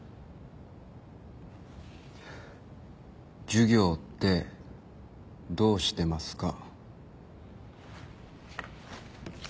授業ってどうしてますか？